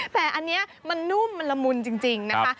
แต่อันนี้มันนุ่มมันละมุนจริงนะคะ